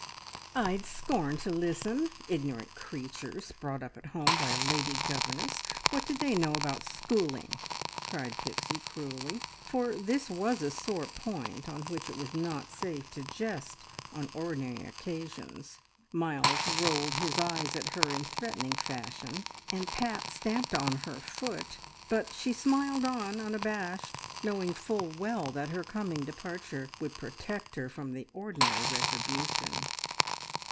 "I'd scorn to listen! Ignorant creatures, brought up at home by a lady governess! What do they know about schooling?" cried Pixie cruelly; for this was a sore point, on which it was not safe to jest on ordinary occasions. Miles rolled his eyes at her in threatening fashion, and Pat stamped on her foot; but she smiled on unabashed, knowing full well that her coming departure would protect her from the ordinary retribution.